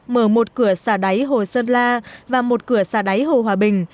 mở một cửa xả đáy hồ sơn la và một cửa xà đáy hồ hòa bình